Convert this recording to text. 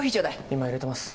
今いれてます。